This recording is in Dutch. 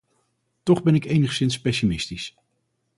Toch ben ik enigszins pessimistisch.